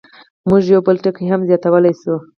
موږ یو بل ټکی هم زیاتولی شو.